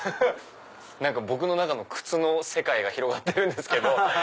僕の中の靴の世界が広がってるんですけど。